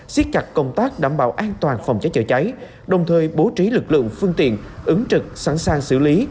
xiết chặt công tác đảm bảo an toàn phòng cháy chữa cháy đồng thời bố trí lực lượng phương tiện ứng trực sẵn sàng xử lý